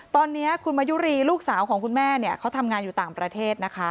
ตอนนี้คุณมายุรีลูกสาวของคุณแม่เนี่ยเขาทำงานอยู่ต่างประเทศนะคะ